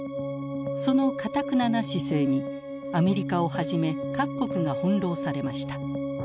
そのかたくなな姿勢にアメリカをはじめ各国が翻弄されました。